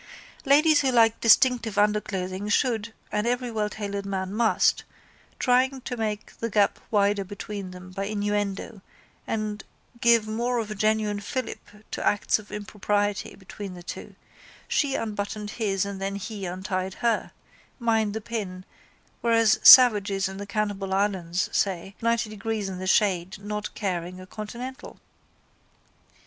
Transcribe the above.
Ladies who like distinctive underclothing should, and every welltailored man must, trying to make the gap wider between them by innuendo and give more of a genuine filip to acts of impropriety between the two, she unbuttoned his and then he untied her, mind the pin, whereas savages in the cannibal islands, say, at ninety degrees in the shade not caring a continental.